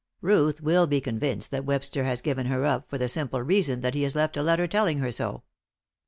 Ruth will be convinced that Webster has given her up, for the simple reason that he has left a letter telling her so."